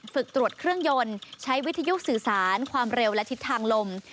ฝึกตรวจเครื่องยนต์ใช้วิทยุสื่อสารความเร็วและทิศทางลม